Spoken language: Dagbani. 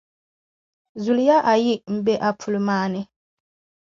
Zuliya ayi m-be a pul’ maa ni.